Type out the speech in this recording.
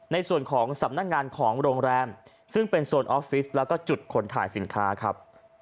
ในส่วนของสำนักงานของโรงแรมซึ่งเป็นโซนออฟฟิศแล้วก็จุดขนถ่ายสินค้าครับ